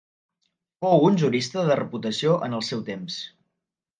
Fou un jurista de reputació en el seu temps.